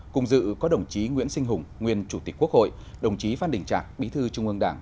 cùng dự có đồng chí nguyễn sinh hùng nguyên chủ tịch quốc hội đồng chí phan đình trạc bí thư trung ương đảng